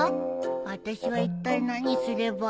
あたしはいったい何すれば？